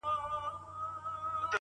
اوس خو راغلی یمه پیره ستنېدلای نه سم -